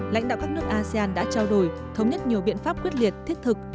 lãnh đạo các nước asean đã trao đổi thống nhất nhiều biện pháp quyết liệt thiết thực